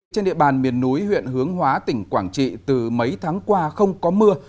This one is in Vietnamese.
trên địa bàn miền núi huyện hướng hóa tỉnh quảng trị từ mấy tháng qua không có mưa